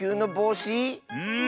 うん。